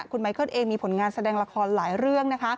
คุณไมเคิลเองมีผลงานแสดงละครหลายเรื่องนะคะ